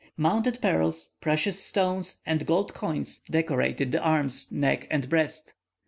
Mounted pearls, precious stones, and gold coins, decorated the arms, neck, and breast.